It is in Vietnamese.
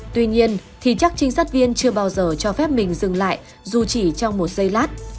tuy nhiên thì chắc trinh sát viên chưa bao giờ cho phép mình dừng lại dù chỉ trong một giây lát